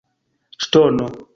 ŝtono